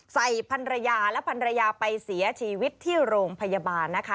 พันรยาและพันรยาไปเสียชีวิตที่โรงพยาบาลนะคะ